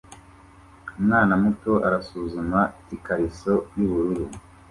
Umwana muto arasuzuma ikariso yubururu